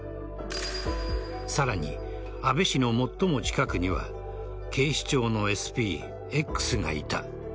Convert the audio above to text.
さらに、安倍氏の最も近くには警視庁のＳＰ・Ｘがいた。